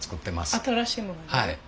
新しいもの。